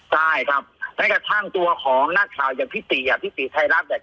ใช่ครับแม้กระทั่งตัวของนักข่าวอย่างพี่ติอ่ะพี่ติไทยรัฐเนี่ย